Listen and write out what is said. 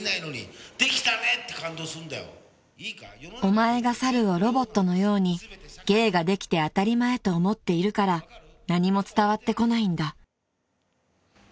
［お前が猿をロボットのように芸ができて当たり前と思っているから何も伝わってこないんだ］